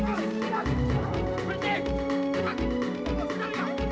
tidak jangan lagi